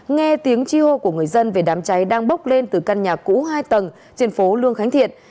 nghe tiếng chi hô của người dân về đám cháy đang bốc lên từ căn nhà cũ hai tầng trên phố lương khánh thiện